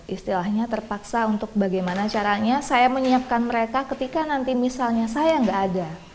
istilahnya terpaksa untuk bagaimana caranya saya menyiapkan mereka ketika nanti misalnya saya nggak ada